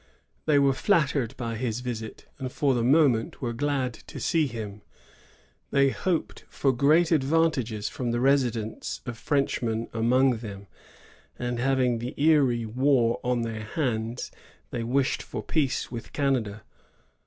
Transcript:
They were flattered by his visit, and, for the moment, were glad to see him. They hoped for great advantages from the residence of Frenchmen among them; and having the Erie war on their hands, they wished for peace with Canada.